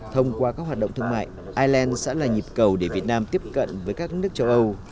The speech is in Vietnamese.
thông qua các hoạt động thương mại ireland sẽ là nhịp cầu để việt nam tiếp cận với các nước châu âu